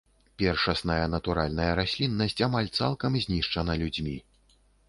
Першасная натуральная расліннасць амаль цалкам знішчана людзьмі.